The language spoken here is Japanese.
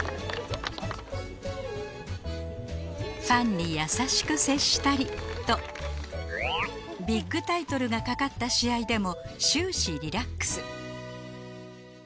ファンに優しく接したりとビッグタイトルがかかった試合でも終始リラックス。